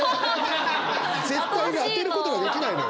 絶対に当てることができないのよ。